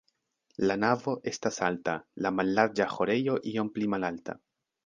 La navo estas alta, la mallarĝa ĥorejo iom pli malalta.